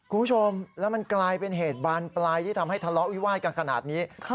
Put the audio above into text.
คุณผู้ชมแล้วมันกลายเป็นเหตุบานปลายที่ทำให้ทะเลาะวิวาดกันขนาดนี้